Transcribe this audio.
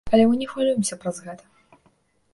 Але мы не хвалюемся праз гэта.